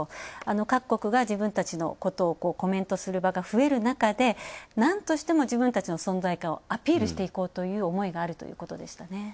各国が自分たちのことをコメントする場が増える中でなんとしても自分たちの存在感をアピールしていこうという思いがあるということでしたね。